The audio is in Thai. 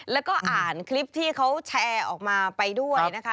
แล้วก็อ่านคลิปที่เขาแชร์ออกมาไปด้วยนะคะ